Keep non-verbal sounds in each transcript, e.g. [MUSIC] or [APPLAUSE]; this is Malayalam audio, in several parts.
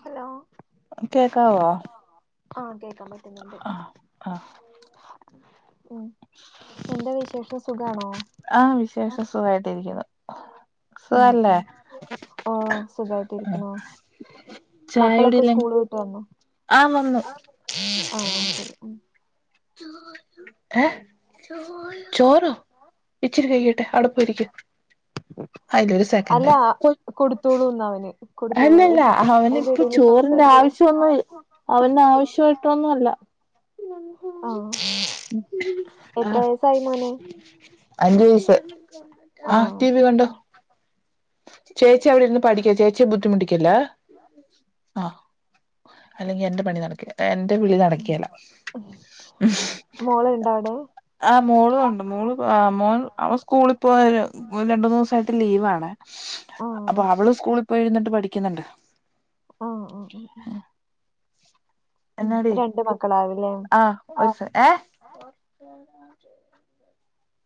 ഹലോ കേക്കാവോ ആഹ് കേക്കാം ആഹ് ആഹ് ഉം എന്താ വിശേഷം സുഖാണോ ആഹ് വിശേഷം സുഖായിട്ടിരിയ്ക്കുന്നു സുഖല്ലേ ആഹ് സുഖായിട്ട് ഇരിയ്ക്ക്ണു. മക്കളൊക്കെ ചായുടിയെല്ലാം സ്കൂള് വിട്ടു വന്നോ ആ വന്നു ആഹ് ആഹ് ഉം ഏഹ് ചോറോ ഇച്ചിരി കയ്യട്ടെ അവടെ പോയിരിക്ക് ആയില് അല്ല കൊടുത്തോളൂ ന്നാ അവന് കൊടുത്തോളൂ അല്ലല്ല അയിന്റെ അവനിപ്പ ഇടയിൽ സംസാരിക്കാം ചോറിന്റാവശ്യോന്നും ഇൽ അവനാവശ്യയിട്ടൊന്ന്വല്ലാ ആഹ് [UNINTELLIGIBLE] എത്ര വയസ്സായി മോന് അഞ്ചു വയസ് ആ ആഹ് ടി വി ശരി കണ്ടോ ഉം, ചേച്ചി അവിടെ ഇര്ന്ന് പഠിയ്ക്ക ചേച്ചിയെ ബുദ്ധിമുട്ടിക്കല്ല ആ അല്ലെങ്കി എന്റെ പണി നടക്കില്ല എന്റെ വിളി ഉം. നടക്ക്യേല മോളുണ്ടോ അവിടെ ആ മോളുവോണ്ട് മോള് ആ മോൻ അവൻ സ്കൂളിപ്പോ രണ്ട് മൂന്നൂസായിട്ട് ലീവാണ് ആഹ് അപ്പൊ അവള് ശരി സ്കൂളിപോയി വന്നിട്ട് പഠിയ്ക്ന്ന്ണ്ട് ഒ ഓ ഓ ഉം എന്നാടി രണ്ട് മക്കളാവുലേ ആ ഒരു സെ ഏ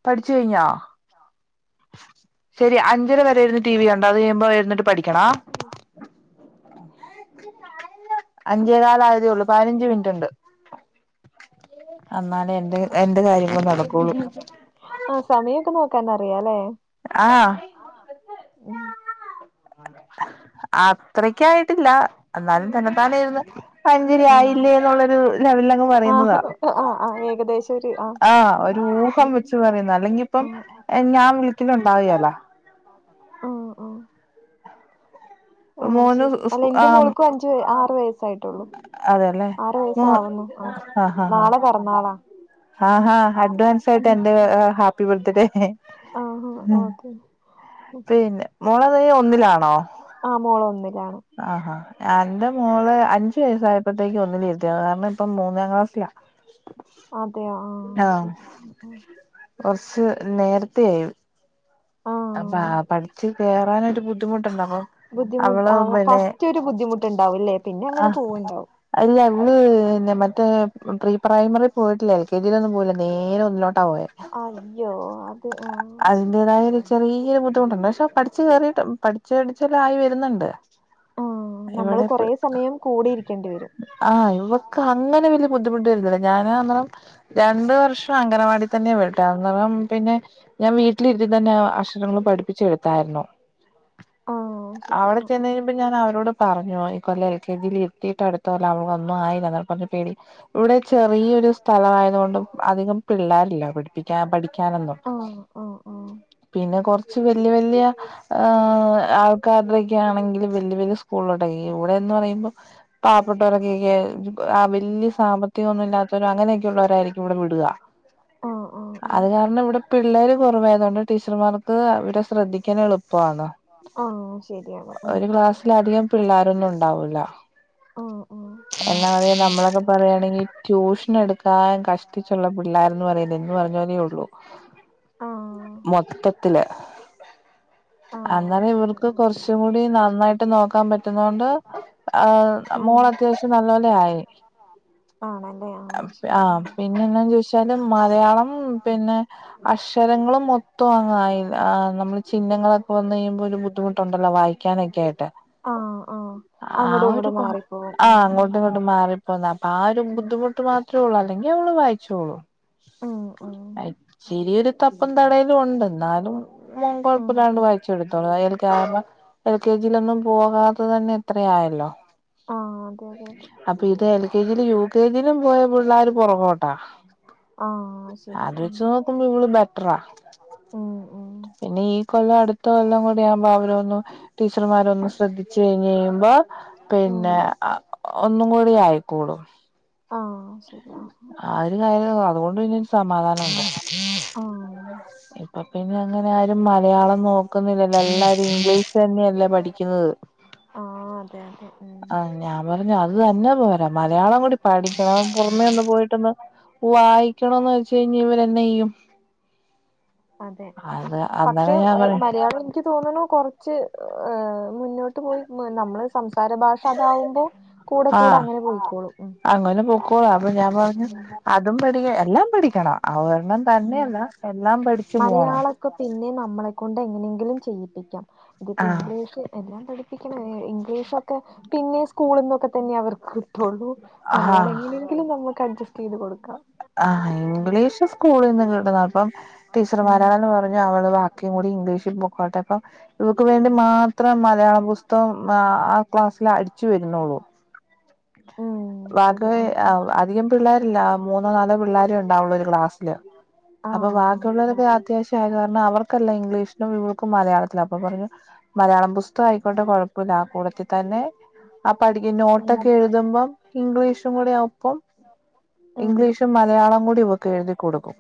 പഠിച്ച് കൈഞ്ഞോ ശരി അഞ്ചര വരെയിരുന്ന് ടി വി കണ്ട അത് കയുമ്പോ ഇരുന്നിട്ട് പഠിക്കണ [INAUDIBLE] അഞ്ചേ കാലായതേയൊള്ളു പതിനഞ്ച് മിനിറ്റ്ണ്ട് അന്നാലെ എന്റ എന്റെ കാര്യം മ്മ്ഹ് ആ സമായൊക്കെ നോക്കാനറിയാല്ലെ ആഹ് ആഹ് ഉം അത്രക്കായിട്ടില്ല എന്നാലും തന്നെത്താനെയിരുന്ന് അഞ്ചരയായില്ലേ ന്നുള്ളരു ലെവലിലങ്ങ് ആഹ് ആഹ് പറയുന്നതാ ആഹ് ആഹ് ഏകദേശം ഒരു ആഹ് ആഹ ഒരൂഹം വെ ച്ചു പറയുന്നതാ അല്ലെങ്കിപ്പം ആഹ് ഞാൻ വീട്ടിലുണ്ടാകയല്ലോ ആഹ് ആഹ് ആഹ് മോന് ശരി സ്കൂ അല്ല ഇന്റെ ആഹ് മോൾക്കും അഞ്ച് വയ ആറു വയസ്സായിട്ടൊള്ളു അതെല്ലേ ഉ ആഹാ ഹ നാളെ പിറന്നാളാ ആഹ് ഹാ അഡ്വാൻസായിട്ട് എന്റെ ഹാപ്പി ബർത്ത്ഡേ ആഹഹ ഓക്കെ പിന്നെ മോളെ തെ ഒന്നിലാണോ ആ മോളൊന്നിലാണ് ആഹാ എന്റെ മോള് അഞ്ചു വയസ്സായ ഇപ്പത്തേക്ക് ഒന്നിലിരുത്തിയാത കാരണം ഇപ്പ മൂന്നാം ക്ലാസ്സിലാ അതെയ ആഹ് ശരിയ കൊറച്ച് നേരത്തെയായി ആഹ് അപ്പ പഠിച്ച് കേറാനൊരു ബുദ്ധിമുട്ടുണ്ട അപ്പൊ ബുദ്ധിമുട്ട് ആഹ് ഫസ്റ്റ് ഒരു ബുദ്ധിമുട്ടുണ്ടാവൂല്ലേ പിന്നെ അങ്ങനെ ആഹ് പോവണ്ടാവും അല്ല ഇവള് പിന്നെ മറ്റേ പ്രീ പ്രൈമറി പോയിട്ടില്ല എൽ കെ ജിയിലൊന്നും പോയില്ല നേരെ ഒന്നുലോട്ട അയ്യോ അത് ഉം ശരി ചെറിയ ബുദ്ധിമുട്ടുണ്ട് പക്ഷെ പഠിച്ച് കേറിട്ട് പഠിച്ച്ചടിച്ചെല്ലായി വരുന്നുണ്ട് ഉം നമ്മള് ഇവിടെ കുറേ സമയം കൂടെ ഇരിക്കേണ്ടി വരും ആഹ് ഇവക്ക് അങ്ങനെ വല്യ ബുദ്ധിമുട്ട് വരുന്നില്ല ഞാൻന്ന് രണ്ട് വർഷം അംഗനവാടി തന്നെയെ വിട്ടേ അന്നേരം പിന്നെ ഞാൻ വീട്ടിലിരുത്തി തന്നെ അക്ഷരങ്ങള് പഠിപ്പിച് കൊടുത്തായിരുന്നു ആ ശരി അവിടെ ആ ചെന്ന് കയുമ്പ ഞാൻ അവരോട് പറഞ്ഞു ഈ കൊല്ലം എൽ കെ ജിയി ഇരുത്തിയിട്ട് അടുത്തോല്ല അവൊന്നും ആയില്ല എന്നറഞ് പേടി ഇവിടെ ചെറിയൊരു സ്ഥലവാതുകൊണ്ടും അധികം പിള്ളേരില്ല പഠിപ്പിക്കാൻ പഠിക്കാനൊന്നും ഓഹ് ഓഹ് ഓഹ് പിന്നെ കൊറച്ച് വല്യ വല്യ ആ ആൾക്കാരുടെക്കെ ആണെങ്കിൽ വല്യ വല്യ സ്കൂളുടെ ഇവിടെന്ന് പറയുമ്പോ പാവപ്പെട്ടവരൊക്കെയൊക്കെ വലിയ സാമ്പത്തികം ഒന്നും ഇല്ലാത്തവരോ അങ്ങനെയൊക്കെള്ളവരായിരിക്കും ഇവിടെ വിടുക [INAUDIBLE] ആ അത് കാരണം ഇവിടെ പിള്ളേര് കുറവായതുകൊണ്ട് ടീച്ചർമാർക്ക് അവിടെ ശ്രദ്ധിക്കൻ എളുപ്പന് ആ ആ ശരിയാണ് ആ ഒരു ക്ലാസ്സിലധികം പിള്ളോരൊന്നും ഉണ്ടാവൂല്ലോ ആ ആ എന്നാലെ നമ്മളെക്ക്‌ പറയുകയാണെങ്കിൽ ട്യൂഷൻ എടുക്കാൻ കഷ്ടിച്ചുള്ള പിള്ളോരന്ന് പറയലില്ലെ എന്ന് പറഞ്ഞലേ ഉള്ളു ആ മൊത്തത്തില് ആ ആ അങ്ങനെ ശരി ഇവർക്ക് ആ ആ. കുറച്ചും കൂടി നന്നായിട്ട് നോക്കാൻ പറ്റും റ്റുനോണ്ട് ആഹ് ഉം മോൾ അത്യാവശ്യം നല്ല പോലെ ആയി ആണല്ലേ ആ ആഹ് ശരി പിന്നെ പിന്നന്താ ചോയിച്ചാല് മലയാളം പിന്നെ അക്ഷരങ്ങളും മൊ ത്തം അയി നമ്മള് ചിഹ്നങ്ങളൊക്കെ വന്ന് കഴിയുമ്പോ ഒരു ബുദ്ധിമുട്ടുണ്ടല്ലോ വായിക്കാനൊക്കെ ആയിട്ട് ആഹ് ആഹ് ആഹ് ഒരു ആഹ് ഉം അങ്ങോട്ടും ഇങ്ങോട്ടും മാറിപ്പോന്ന അപ്പൊ ആഹ് ഒരു ഉം ബുദ്ധിമുട്ട് മാത്രം ത്രോള്ളൂ അല്ലെങ്കി അവള് വായിച്ചോളൂ ഉം ഉം ഇച്ചിരി ഒരു തപ്പും തടയലും ണ്ട് എന്നാലും മോൻ ഉം കൊഴപ്പില്ലാണ്ട് ഉം വായിച്ചെടുത്തോളൂ അയൽക്കാര് എൽ കെ ജിയിലൊന്നും പോകാതെ തന്നെ ഇത്രയായല്ലോ ആഹ് അതെ അതെ എൽ കെ ജിയിലും യു കെ ജിയിലും പോയാ പുള്ളാര് പുറകോട്ടാ ആ ശരി അത് ഉം വെച്ച് നോക്കുമ്പോ ഇവള് ബെറ്ററാ ഉം ഉം പിന്നെ ഈ കൊല്ലം അടുത്ത കൊല്ലം കൂടി ആമ്പോ അവരൊന്നു ടീച്ചർമാരൊന്ന് ശ്രദ്ധിച്ചു കഴിഞ്ഞ് കഴിയുമ്പോ ഉം പിന്നെ ഒന്നും കൂടി ആയിക്കോളും ആഹ് ആ ഒരു കാര്യം അതുകൊണ്ട് ഇനി സമാധാനം ഉണ്ട് ആഹ് ഇപ്പ പിന്നെ അങ്ങനെ ആരും മലയാളം നോക്കുന്നില്ലല്ലോ എല്ലാരും ഇംഗ്ലീഷ്ന്നെയല്ലേ പഠിക്കുന്നത് ആഹ് അതെ അതെ ഉം ആ ഞാൻ പറഞ്ഞു അത് തന്നെ പോരാ മലയാളം കൂടി പഠിക്കണം പുറമേ ഒന്ന് പോയിട്ടൊന്ന് വായിക്കണന്ന് വെച്ച കഴിഞ്ഞൽ ഇവരെന്നാ ചെയ്യും അതെ അത് പക്ഷെ അന്നേരം ഞാൻ പറയും മലയാളം എക്ക് തോന്നണു കൊറച്ച് മുന്നോട്ട് പോയി നമ്മള് സംസാര ഭാഷ അതാവുമ്പോ കൂടെ കൂടെ ആഹ് അങ്ങനെ പോയിക്കോളും അങ്ങനെ പൊക്കോളൂ അപ്പൊ ഞാൻ പറഞ്ഞു അതും പഠിക്ക എല്ലാം പഠിക്കണം അവരണം തന്നെയല്ല ഉം എല്ലാം പ മലയാളൊക്കെ പിന്നെ നമ്മളെക്കൊണ്ട് എങ്ങനെങ്കിലും ചെയ്യിപ്പിക്കാം ഇതിപ്പോ ആഹ് ഇംഗ്ലീഷ് എല്ലാം പഠിപ്പിക്കണ ഇംഗ്ലീഷൊക്കെ പിന്നെ സ്കൂളിൽ നിന്നൊക്കെ തന്നെ അവർക്ക് ട്ടുള്ളൂ മലയാളം ആഹ് എങ്ങനെയെങ്കിലും നമുക്ക് അഡ്ജസ്റ്റ് ചെയ്ത് കൊടുക്കാം ആഹ് ഇംഗ്ലീഷ് സ്കൂളിൽ നിന്ന് കിട്ടുന്നു അപ്പം ഉം ടീച്ചർമാരാണെന്ന് പറഞ്ഞു അവള് ക്കും കൂടി ഇംഗ്ലീഷിൽ പൊക്കോട്ടെ അപ്പം ഇവർക്ക് വേണ്ടി മാത്രം മലയാള പുസ്തകം ആ ആ ക്ലാസ്സിൽ അടിച്ചു വരുന്നുള്ളൂ. ഉം ആകെ ശരിയാ അധികം പിള്ളാരില്ല, മൂന്നോ നാലോ പിള്ളേരെ ഉണ്ടാവുള്ളൂ ഒരു ക്ലാസ്സില്. അപ്പൊ ആഹ് ആഹ് ബാക്കിയുള്ളവരൊക്കെ ആഹ് അത്യാവശ്യായത് കാരണം അവർക്കെല്ലാ ഇംഗ്ലീഷിലും ആഹ് ഇവൾക്ക് മലയാളത്തിലും. അപ്പൊ പറഞ്ഞു മലയാളം പുസ്തകായിക്കോട്ടെ കുഴപ്പമില്ല ആ കൂട്ടത്തിൽ തന്നെ ആ പഠിക്കുന്ന, നോട്ടൊക്കെ എഴുതുമ്പം ഇംഗ്ലീഷും കൂടെ ഒപ്പം ഉം ഇംഗ്ലീഷും മലയാളോം കൂടി ഇവക്ക് എഴുതി കൊടുക്കും.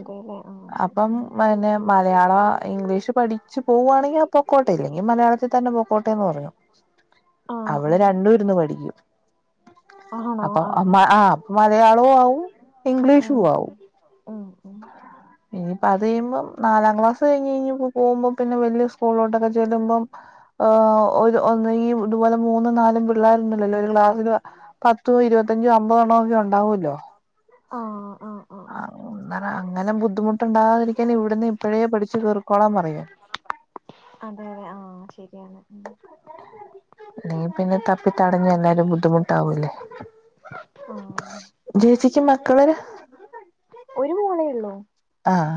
അതേ ആഹ് ശരി അപ്പം ആഹ് ആഹ്. പിന്നെ മലയാളം, ഇംഗ്ലീഷ് പഠിച്ച് പോവുവാണെങ്കിൽ ആഹ് പൊക്കോട്ടെ. ഇല്ലെങ്കിൽ മലയാളത്തിൽ തന്നെ പൊക്കോട്ടെയെന്ന് പറഞ്ഞു. ആഹ് ആഹ് അവള് രണ്ടൂ ഇരുന്ന് പഠിക്കും. ആഹ് ആണോ അപ്പൊ അഹ് ആഹ് മലയാളവും ആവും ഇംഗ്ലീഷു ഉം ആവും. ഉം ഉം. ഉം. ഇനിയിപ്പ അത് കഴിയുമ്പം നാലാം ക്ലാസ് കഴിഞ്ഞ് കഴിഞ്ഞ് ഇപ്പൊ പോകുമ്പം പിന്നെ വലിയ സ്കൂളിലോട്ടൊക്കെ ചെല്ലുമ്പം ഈഹ് ഒരു ഒന്ന് ഈ ഇതുപോലെ മൂന്നും നാലും പിള്ളേരുണ്ടല്ലല്ലോ ഒരു ക്ലാസ്സില് പത്തോ ഇരുപത്തഞ്ചോ അമ്പതോണ്ണ ഒക്കെ ഉണ്ടാവല്ലോ. ആഹ് ആഹ് ആഹ് ആഹ് അങ്ങനെ ബുദ്ധിമുട്ടുണ്ടാകാതിരിക്കാൻ ഇവിടുന്ന് ഇപ്പഴേ പഠിച്ച് കേറിക്കോളാൻ പറയും. അതേ ആഹ് ശരിയാണ്. ഉം. ഇനിയിപ്പ ഇന്ന് ത പ്പിത്തടഞ്ഞു എല്ലാരും ബുദ്ധിമുട്ടാവൂല്ലേ. ആഹ് ചേച്ചിക്ക് മക്കള് ഒരു മോളേ ഉള്ളൂ. ആഹ്.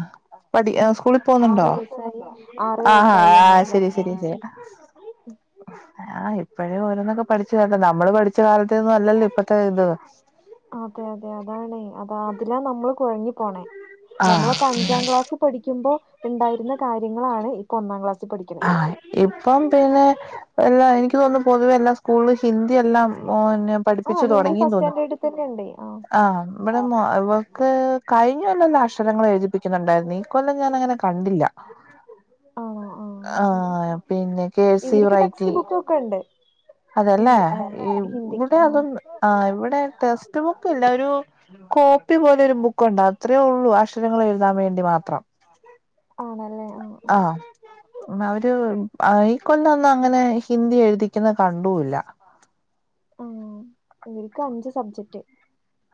പഠി ഉം. സ്കൂളിൽ ആറു പോകുന്നുണ്ടോ വയസ്സായി ആറു ആഹ് വയസ്സായി ഒന്നാം ആഹ് ശരി ക്ലാസ്സില്. ശരി ശരി ഉം. ആഹ് ഇപ്പഴേ ഓരോന്നൊക്കെ പഠിച്ച് വരട്ടെ. നമ്മള് പഠിച്ച കാലത്തെയൊന്നും അല്ലല്ലോ ഇപ്പഴത്തെ ഇത്? അതെ അതെ അതാണ്. അതാ അതിലാ നമ്മൾ കുഴങ്ങി പോണേ. നമ്മളപ്പോ ആഹ് അഞ്ചാം ക്ലാസ് പഠിക്കുമ്പോ ഉണ്ടായിരുന്ന കാര്യങ്ങളാണ് ഇപ്പൊ ഒന്നാം ക്ലാസ്സിൽ പഠിക്കണത്. ആഹ് ഇപ്പം പിന്നെ എല്ലാ എനിക്ക് തോന്നും പൊതുവെ എല്ലാ സ്കൂളിലും ഹിന്ദി എല്ലാം പിന്നെ പഠിപ്പിച്ചു ആഹ് ഹിന്ദി തുടങ്ങി ഫസ്റ്റ് തോന്നുന്നു. സ്റ്റാൻഡേർഡിൽ തന്നെ ഉണ്ട് ആഹ് ഇവളെ മൊ, ഇവക്ക് കഴിഞ്ഞ കൊല്ലമെല്ലാം അക്ഷരങ്ങൾ എഴുതിപ്പിക്കുന്നുണ്ടായിരുന്നു. ഈ കൊല്ലം ഞാൻ അങ്ങനെ കണ്ടില്ല. ആണോ ശരി ആഹ് പിന്നെ കെ സി റൈറ്റി ക്കണ്ട്. അതേല്ലേ? ഈ ഇവിടെ ആഹ് അതൊന്നു ആഹ് ഇവിടെ ടെക്സ്റ്റ് ബുക്കില്ല. ഒരു കോപ്പി പോലെ ഒരു ബുക്കുണ്ട്. അത്രയേ ഉള്ളൂ, അക്ഷരങ്ങൾ എഴുതാൻ വേണ്ടി മാത്രം. ആണല്ലേ? ആഹ്. അവര് ആയി കൊണ്ടൊന്നു അങ്ങനെ ഹിന്ദി എഴുതിക്കുന്നത് കണ്ടൂല്ല. ഉം ഇവർക്ക് അഞ്ച് സബ്ജക്ട്.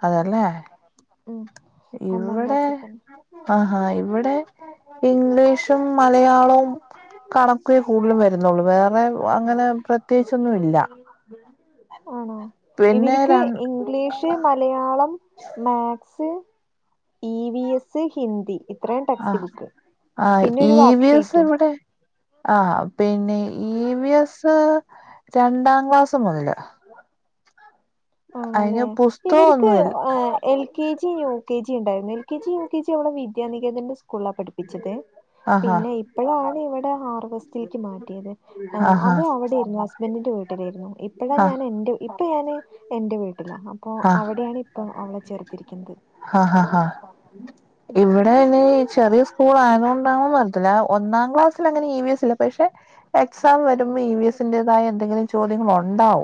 അതേല്ലേ? ആഹ്. ഇവിടെ, ആഹ് ഹാ ഇവിടെ ഇംഗ്ലീഷ് ട്ടും മലയാളവും കണക്കുവെ കൂടുതലും വരുന്നുള്ളൂ. വേറെ അങ്ങനെ പ്രത്യേകിച്ചൊന്നും ഇല്ല. ആണോ? പിന്നെ ഇവരിക്ക് ര English Malayalam maths E V S Hindi ഇത്രയും ടെക്സ്റ്റ് ആഹ് ബുക്ക് ആഹ് പിന്നെ ഒരു ഇ വർക്ക് വി എസ് ഷീറ്റും ഇവിടെ ആഹ് പിന്നെ ഇ വി എസ് രണ്ടാം ക്ലാസ് മുതലാ ആണല്ലേ പുസ്തകം ഇവരിക്ക് ഒന്നുമില്ല L K G U K G ഉണ്ടായിരുന്നു L K G U K G ടെ വിദ്യാനികേതന്റെ സ്കൂളാണ് പഠിപ്പിച്ചത് ആഹാ പിന്നെ ഇപ്പഴാണ് ഇവിടെ ഹാർവസ്റ്റില്ക്ക് മാറ്റിയത് ആഹ് ആഹാ അത് അവിടെരുന്നു ആ സ് ബന്റിന്റെ വീട്ടിലായിരുന്നു ഇപ്പഴാ ആഹ് ഞാൻ എന്റെ ഇപ്പ ഞാന് എന്റെ വീട്ടിലാ അപ്പൊ ആഹ് അവിടെയാണ് ഇപ്പൊ അവളെ ചേർത്തിരിക്കുന്നത് ആഹ് ആഹ് ഇവിടെ നി ചെറിയ സ്കൂൾ ആയതുകൊണ്ടാണോന്ന് അറിയ ത്തില്ല ഒന്നാം ക്ലാസ്സൽ അങ്ങനെ ഇ വി എസ് ല പക്ഷെ എക്സാം ഉം വരുമ്പോ ഇ വി എസിന്റേതായ എന്തെങ്കിലും ചോദ്യങ്ങളൊണ്ടാവു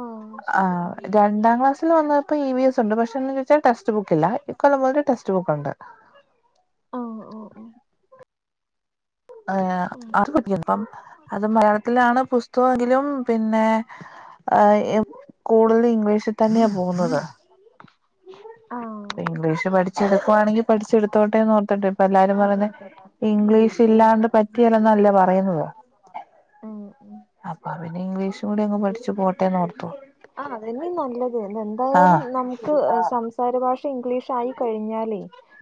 ആഹ് ശരി ആഹ് ആഹ് രണ്ടാം ക്ലാസിൽ വന്നപ്പോ ഇ വി എസ് ഉണ്ട് പക്ഷെന്തെന്ന് വെച്ചാ ടെസ്റ്റ് ബുക്കില്ല ഇ കൊല്ലം മുതൽ ടെക്സ്റ്റ് ബുക്കുണ്ട് ആഹ് ഓഹ് ഓഹ് ഉം [INAUDIBLE] അത് മലയാളത്തിലാണ് പുസ്തകൊങ്കിലും പിന്നെ കൂടുതലും ഇംഗ്ലീഷിൽ തന്നെയാ പോകുന്നത് ആഹ് ഇംഗലീഷ് പഠിച്ചെടുക്കുണെങ്കി പഠിച്ചെടുത്തോട്ടെ നോർതിട്ട് ഇപ്പൊ എല്ലാരും അതെ പറയുന്നെ അതെ അതെ ഉം ഇംഗ്ലീഷ് ഇല്ലാണ്ട് ശരിയാണ് പറ്റിയല്ല നല്ലേ പറയുന്നത് ഉം ഉം അപ്പൊ പിന്നെ ഇംഗ്ലീഷും കൂടിയങ് പഠിച്ചു പോട്ടേന്നോർത്തു ആഹ് അതന്നെ നല്ലത് എന്തായാലും നമുക്ക് സംസാര ഭാഷ ഇംഗ്ലീഷ് യി കഴിഞ്ഞാലേ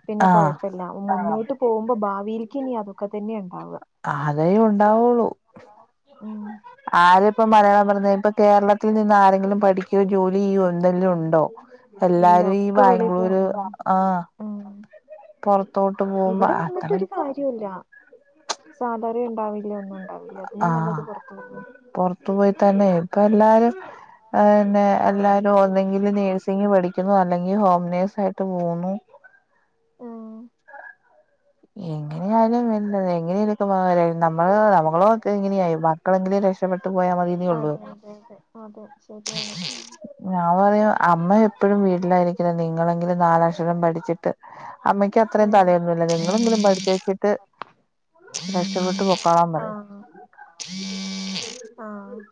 പിന്നെ ആഹ് കുഴപ്പ ല്ല മുന്നോട്ട് പോകുമ്പോ ഭാവിൽക്ക് ഇനി അതൊക്കെ തന്നെ ഉണ്ടാവ അതേ ഉണ്ടാവുള്ളു ഉം ആരപ്പ മലയാളം പറഞ്ഞ ഇപ്പൊ കേരളത്തിൽ നിന്ന് ആരെങ്കിലും പഠിക്യോ ജോലി ചെയ്യോ എന്തെങ്കിലും ഉണ്ടോ ഇല്ല എല്ലാരും ഈ ഒക്കെ വെളിയിൽ പോ ബാംഗ്ലൂര് ഉം ആഹ് ഉം പൊർത്തോട്ട് പോകുമ്പോ ഇവിടെ അത്ര നിന്നിട്ടൊരു കാര്യല്ല സാലറി ണ്ടാവില്ല ഒന്നും ഉണ്ടാവില്ല അതിനും നല്ലത് ആഹ് പുറത്തു പോവാ പൊർത്തു പോയി തന്നെ ഇപ്പ എല്ലാരും പിന്നെ എല്ലാരും ഒന്നെങ്കിൽ നേഴ്സിംഗ് പഠിക്കുന്നു അല്ലെങ്കിൽ ഹോം നേഴ്സ് ആയിട്ട് പോകുന്നു ഉം എങ്ങനെയാലും [UNINTELLIGIBLE] എങ്ങനെക്ക [UNINTELLIGIBLE] നമ്മള് നമ്മളൊ ഇങ്ങനെയായി മക്കളെങ്കിലും രക്ഷപ്പെട്ട് പോയാ മതിനേ ഉള്ളൂ അതെ അതെ അതെ അതെ ശരി തന്നെ ഞാൻ പറയാ അമ്മ എപ്പോഴും വീട്ടിലായിരിക്കില്ല നിങ്ങളെങ്കിലും നാലക്ഷരം പഠിച്ചിട്ട് അമ്മയ്ക്ക് അത്രയും തലയൊന്നുല്ല നിങ്ങളെങ്കിലും പഠിച്ച വെച്ചിട്ട് രക്ഷപ്പെട്ട് പൊക്കാളാൻ ആഹ് പറയും ആഹ് ആഹ്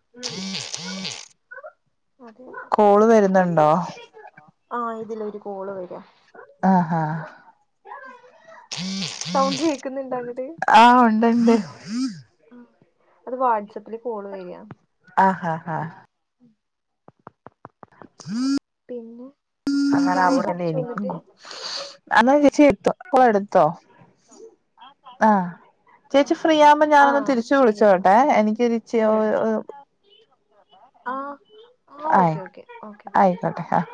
അതെ അതെ കോള് വരുന്നുണ്ടോ ആഹ് ഇതിലൊരു കോള് വരാ ആഹ് ആഹ് സൗണ്ട് കേക്കുന്നുണ്ട അങ്ങട് ആഹ് ഉണ്ട് ഉണ്ട് അത് വാട്സപ്പിൽ കോള് വരിയാ ആഹ് ഹാ ഹാ പിന്നെ അങ്ങനെ ചായ അവിടെന്നെ കുടിച്ചോ എനിക്കും എന്നിട്ട് അന്ന ചേച്ചി ഇട്തൊ [UNINTELLIGIBLE] ആഹ് ചേച്ചി ആഹ് ഫ്രീ ആവുമ്പോ ഞാനൊന്ന് ആഹ് തിരിച്ചു ശരി എന്നാ വിളിച്ചോട്ടെ എനിക്കൊരു ഞാൻ ഇച്ചിരി വിളിക്കാം [UNINTELLIGIBLE] ആഹ് ആഹ് ആയി ഓക്കെ ഓക്കെ ഓക്കെ ഓക്കെ ആയിക്കോട്ടെ ആഹ്